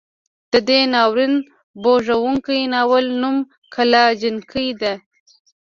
د دې ناورین بوږنوونکي ناول نوم کلا جنګي دی.